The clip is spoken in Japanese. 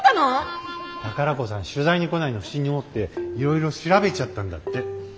宝子さん取材に来ないの不審に思っていろいろ調べちゃったんだって。